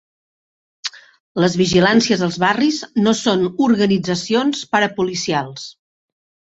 Les vigilàncies als barris no són organitzacions parapolicials.